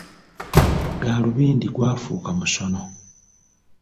Ggaalubindi gwafuuka musono.